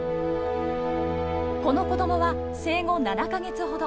この子どもは生後７か月ほど。